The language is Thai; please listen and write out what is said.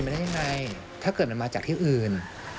เป็นไหมถ้าเกิดมันมาจากที่อื่น